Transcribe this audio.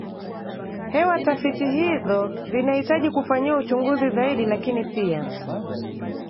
hewa Tafiti hizo zinahitaji kufanyiwa uchunguzi zaidi lakini pia